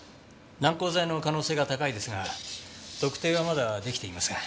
軟膏剤の可能性が高いですが特定はまだ出来ていません。